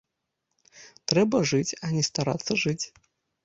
Трэба жыць, а не старацца жыць.